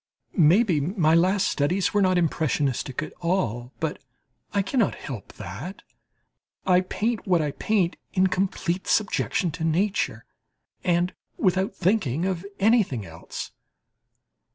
Maybe, my last studies are not impressionistic at all, but that I cannot help. I paint what I paint, in complete subjection to nature, and without thinking of anything else.